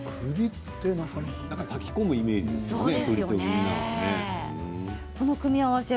炊き込むイメージですよね。